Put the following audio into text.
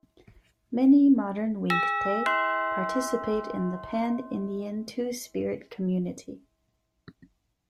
Many modern "winkte" participate in the pan-Indian Two-Spirit community.